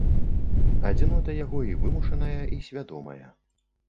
Адзінота яго і вымушаная, і свядомая.